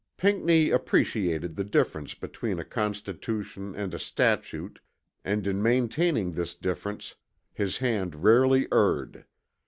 Pinckney appreciated the difference between a constitution and a statute and in maintaining this difference his hand rarely erred.